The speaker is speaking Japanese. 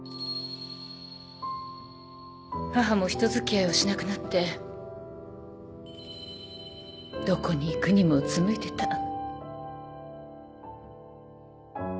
母も人付き合いをしなくなってどこに行くにもうつむいてた。